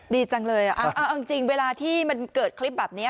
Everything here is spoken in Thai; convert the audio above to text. ดีจังเลยเอาจริงเวลาที่มันเกิดคลิปแบบนี้